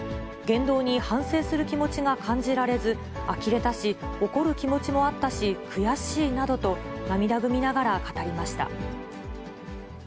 言動に反省する気持ちが感じられず、あきれたし、怒る気持ちもあったし、悔しいなどと涙ぐみながら語りました。